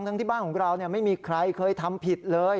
ที่บ้านของเราไม่มีใครเคยทำผิดเลย